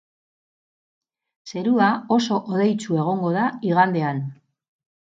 Zerua oso hodeitsu egongo da igandean.